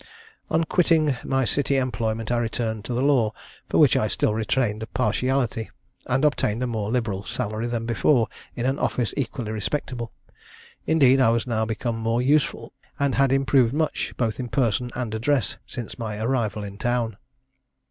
"On quitting my city employment, I returned to the law, for which I still retained a partiality; and obtained a more liberal salary than before in an office equally respectable. Indeed I was now become more useful, and had improved much, both in person and address, since my arrival in town.